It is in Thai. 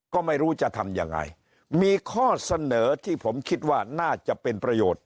ก็ไม่รู้จะทำยังไงมีข้อเสนอที่ผมคิดว่าน่าจะเป็นประโยชน์